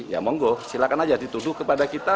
ya monggo silahkan aja dituduh kepada kita